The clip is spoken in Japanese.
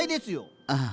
ああ